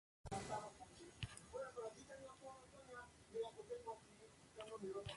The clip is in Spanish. Victoria para Kenny Roberts seguido de Eddie Lawson y Randy Mamola.